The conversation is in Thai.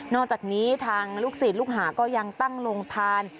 อกจากนี้ทางลูกศิษย์ลูกหาก็ยังตั้งโรงทาน